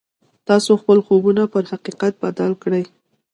تاسې خپل خوبونه پر حقيقت بدل کړئ.